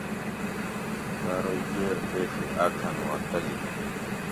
شارئی جوئیر پیڛی آڄھن وا تلی